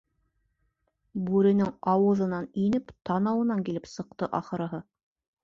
Бүренең ауыҙынан инеп, танауынан килеп сыҡты, ахырыһы.